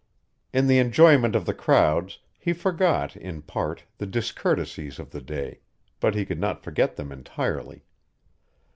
In the enjoyment of the crowds he forgot, in part, the discourtesies of the day, but he could not forget them entirely.